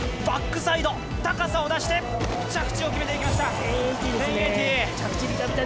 バックサイド高さを出して着地を決めていきました１０８０！